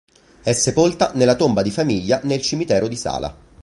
È sepolta nella tomba di famiglia nel cimitero di Sala.